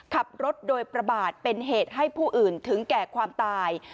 ขับรถโดยประมาทเป็นเหตุให้ผู้อื่นถึงแก่ความตาย